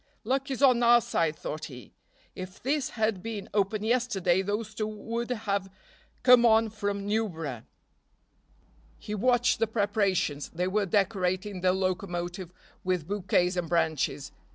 "Luck is on our side," thought he; "if this had been open yesterday those two would have come on from Newborough." He watched the preparations, they were decorating the locomotive with bouquets and branches.